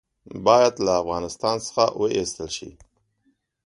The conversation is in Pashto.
باید له افغانستان څخه وایستل شي.